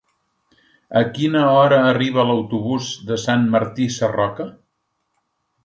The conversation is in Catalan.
A quina hora arriba l'autobús de Sant Martí Sarroca?